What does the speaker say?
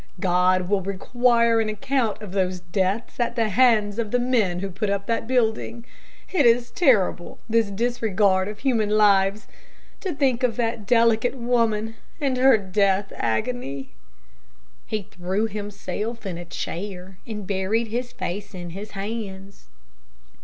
God will require an account of those deaths at the hands of the men who put up that building. It is terrible this disregard of human lives. To think of that delicate woman and her death agony." He threw himself in a chair and buried his face in his hands.